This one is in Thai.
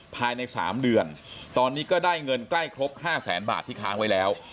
ภายใน๓เดือนตอนนี้ก็ได้เงินใกล้ครบ๕แสนบาทที่ค้างไว้แล้ว